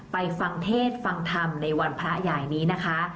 ฟังเทศฟังธรรมในวันพระใหญ่นี้นะคะ